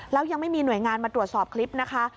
แล้วยังไม่มีหน่วยงานมาตรวจสอบคลิปนะคะ